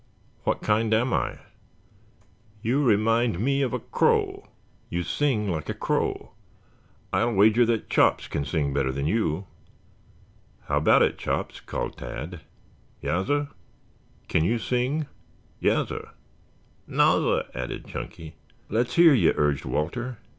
"What kind am I?" "You remind me of a crow. You sing like a crow. I'll wager that Chops can sing better than you." "How about it, Chops?" called Tad. "Yassir?" "Can you sing?" "Yassir." "Nassir," added Chunky. "Let's hear you," urged Walter.